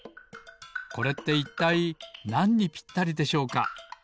これっていったいなんにぴったりでしょうか？